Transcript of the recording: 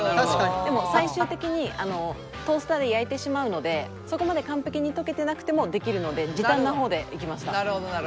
でも最終的にトースターで焼いてしまうのでそこまで完璧に溶けてなくてもできるので時短の方でいきました。